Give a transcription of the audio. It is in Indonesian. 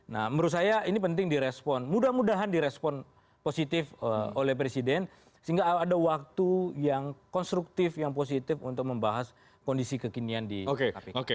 nah menurut saya ini penting direspon mudah mudahan direspon positif oleh presiden sehingga ada waktu yang konstruktif yang positif untuk membahas kondisi kekinian di kpk